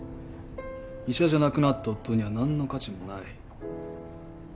医者じゃなくなった夫には何の価値もない。